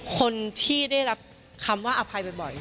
คนที่ได้รับคำว่าอภัยบ่อย